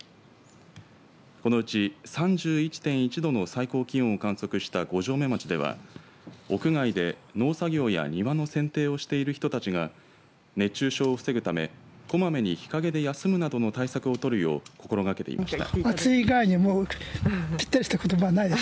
このうち３１．１度の最高気温を観測した五城目町では屋外で農作業や庭のせんていをしている人たちが熱中症を防ぐためこまめに日陰で休むなどの対策を取るよう心がけていました。